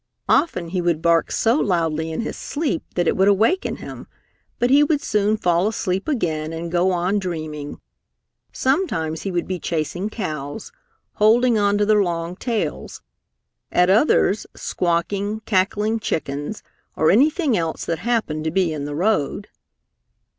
Often he would bark so loudly in his sleep that it would awaken him, but he would soon fall asleep again and go on dreaming. Sometimes he would be chasing cows, holding on to their long tails; at others, squawking, cackling chickens or anything else that happened to be in the road.